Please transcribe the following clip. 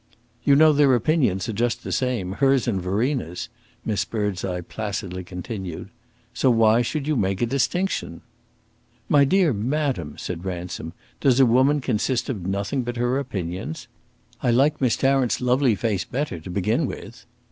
"You know their opinions are just the same hers and Verena's," Miss Birdseye placidly continued. "So why should you make a distinction?" "My dear madam," said Ransom, "does a woman consist of nothing but her opinions? I like Miss Tarrant's lovely face better, to begin with."